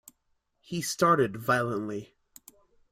He started violently.